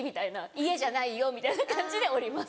家じゃないよみたいな感じで降ります。